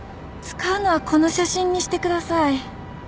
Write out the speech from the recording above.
使うのはこの写真にしてください。